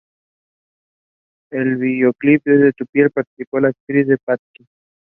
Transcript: Pusey is survived by her daughter Yvonne Palmer.